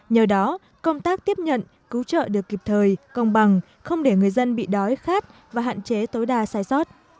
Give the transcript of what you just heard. nhờ đó công tác tiếp nhận cứu trợ được kịp thời công bằng không để người dân bị đói khát và hạn chế tối đa sai sót